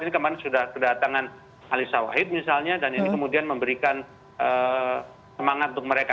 ini kemarin sudah kedatangan alisa wahid misalnya dan ini kemudian memberikan semangat untuk mereka